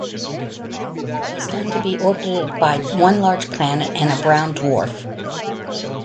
It is known to be orbited by one large planet and a brown dwarf.